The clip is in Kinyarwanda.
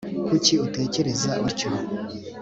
kuki utekereza utyo